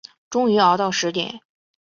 终于熬到十点